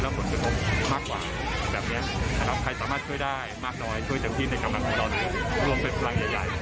ถ้าได้มากขึ้นกว่าทุกวันเราจะได้มีแรงมีความภูมิใจ